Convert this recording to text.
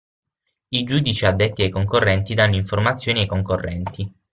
I giudici addetti ai concorrenti danno informazioni ai concorrenti.